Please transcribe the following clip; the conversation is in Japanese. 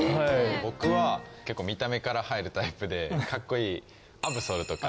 僕は結構見た目から入るタイプでかっこいいアブソルとか。